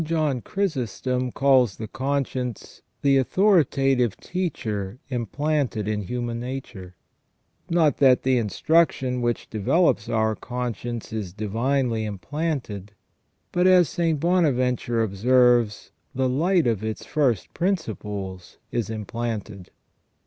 John Chrysostom calls the conscience " the authoritative teacher implanted in human nature ".* Not that the instruction which develops our conscience is divinely implanted, but, as St. Bonaventure observes, the light of its first principles is implanted.